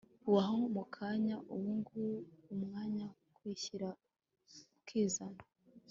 ubahomukanya ubungubuumwanya kwishyira ukizana